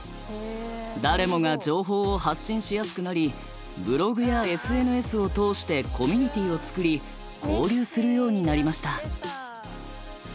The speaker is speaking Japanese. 誰もが情報を発信しやすくなりブログやＳＮＳを通してコミュニティーをつくり交流するようになりました。